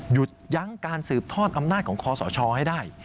หยุดยั้งการสืบทอดอำนาจของคอสชให้ได้